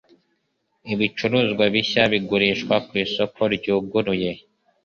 Ibicuruzwa bishya bigurishwa ku isoko ryuguruye